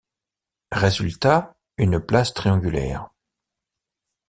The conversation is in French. Résultat, une place triangulaire.